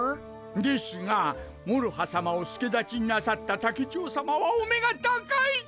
ですがもろはさまを助太刀になさった竹千代さまはお目が高い！